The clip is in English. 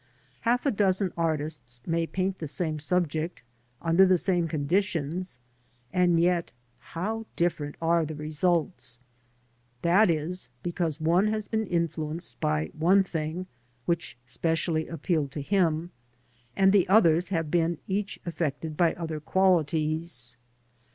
Half a dozen artists may paint the same subject under the same conditions, and yet how different are the results 1 That is because one has been influenced by one thing, which specially appealed to him, and the. others have been each affected by other qualities.